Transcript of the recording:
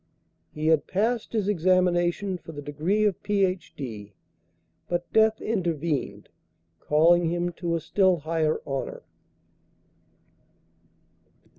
He had passed his examination for the degree of Ph.D., but death intervened, calling him to a still higher honor.